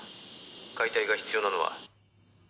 解体が必要なのは」